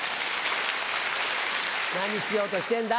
何しようとしてんだ？